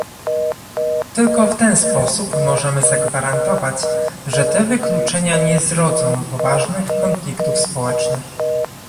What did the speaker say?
Tylko w ten sposób możemy zagwarantować, że te wykluczenia nie zrodzą poważnych konfliktów społecznych